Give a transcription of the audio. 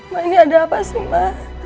ma ini ada apa sih ma